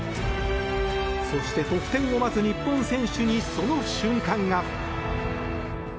そして、得点を待つ日本選手にその瞬間が。